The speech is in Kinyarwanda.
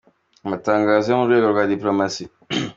Amatangazo yo mu rwego rwa dipolomasi